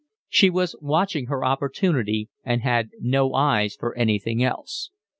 She was watching her opportunity and had no eyes for anything else.